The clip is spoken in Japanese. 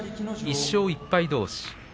１勝１敗どうし